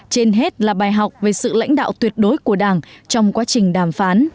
trên hết là bài học về sự lãnh đạo tuyệt đối của đảng trong quá trình đàm phán